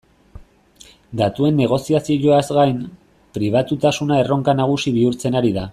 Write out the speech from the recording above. Datuen negozioaz gain, pribatutasuna erronka nagusi bihurtzen ari da.